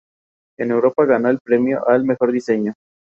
Cabalga las tierras a lomos de su mascota porcina.